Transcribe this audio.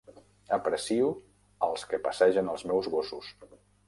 Aprecio els que passegen els meus gossos.